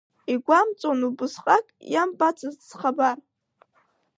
Игәамҵуан убысҟак, иамбацызт схабар.